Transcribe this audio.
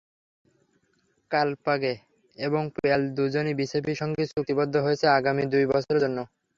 কালপাগে এবং পিয়াল দুজনই বিসিবির সঙ্গে চুক্তিবদ্ধ হয়েছেন আগামী দুই বছরের জন্য।